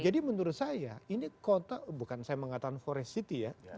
jadi menurut saya ini kota bukan saya mengatakan forest city ya